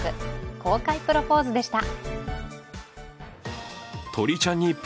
公開プロポーズでした。